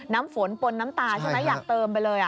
น้ำฝนปนน้ำตาใช่ไหมอยากเติมไปเลย